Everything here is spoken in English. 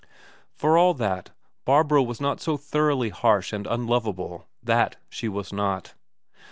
For all that, Barbro was not so thoroughly harsh and unlovable, that she was not.